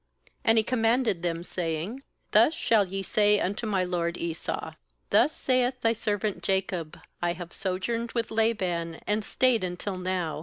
5And he commanded them, saying: 'Thus shall ye say unto my lord Esau: Thus saith thy servant Jacob: I have sojourned with Laban, and stayed until now.